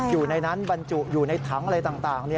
อยู่ในนั้นบรรจุอยู่ในถังอะไรต่าง